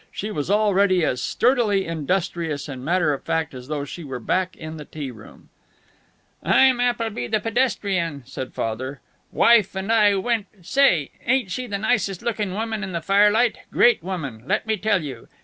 She was already as sturdily industrious and matter of fact as though she were back in the tea room. "I'm Appleby, the pedestrian," said Father. "Wife and I went Say, ain't she the nicest looking woman in that firelight! Great woman, let me tell you.